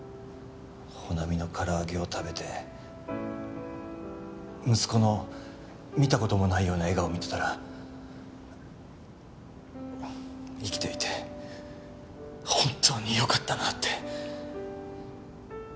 帆奈美のから揚げを食べて息子の見た事もないような笑顔を見てたら生きていて本当によかったなって。